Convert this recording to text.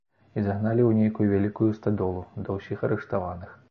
І загналі ў нейкую вялікую стадолу, да ўсіх арыштаваных.